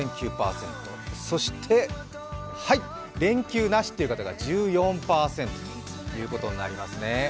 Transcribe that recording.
そして、連休なしという方が１４％となりますね。